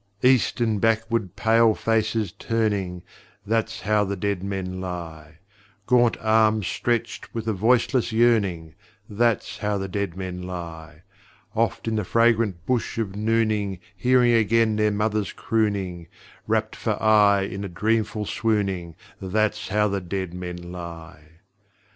East and backward pale faces turning That's how the dead men lie! Gaunt arms stretched with a voiceless yearning That's how the dead men lie! Oft in the fragrant hush of nooning Hearing again their mother's crooning, Wrapt for aye in a dreamful swooning That's how the dead men lie!